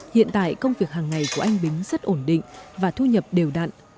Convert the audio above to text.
hiện tại công việc hàng ngày của anh bính rất ổn định và thu nhập đều đặn